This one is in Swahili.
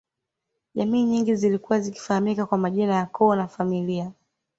Jamii nyingi zilikuwa zikifahamika kwa majina ya Koo na familia